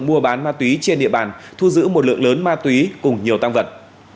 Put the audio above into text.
mua bán ma túy trên địa bàn thu giữ một lượng lớn ma túy cùng nhiều tăng vật